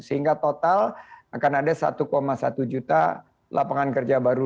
sehingga total akan ada satu satu juta lapangan kerja baru